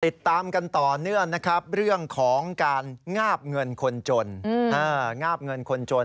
ติดตามกันต่อเนื่องเรื่องของการงาบเงินคนจน